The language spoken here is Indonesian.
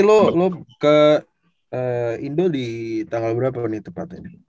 lo ke indo di tanggal berapa nih tepatnya